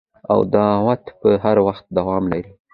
او دا دعوت به هر وخت دوام لري